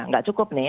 tidak cukup nih